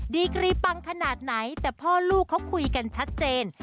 ดีกรีปังขนาดไหนแต่พ่อลูกเขาคุยกันชัดเจน